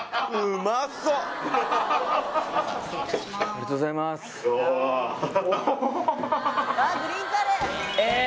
ありがとうございますえっ！